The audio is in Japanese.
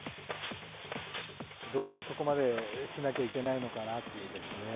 どうしてそこまでしなきゃいけないのかなっていうですね。